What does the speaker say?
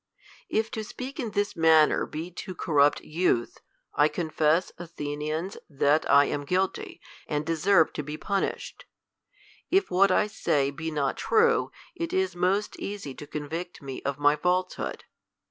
If to speak in this manner be to corrupt youth,. I confess, Athenians, that I am guilty, ar.d deserve to be punished, if what I say be not true, it is most easy to convict me of my falsehood.